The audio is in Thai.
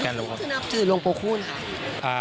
องค์พระคุณค่ะ